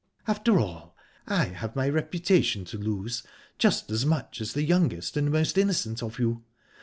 After all, I have my reputation to lose, just as much as the youngest and most innocent of you...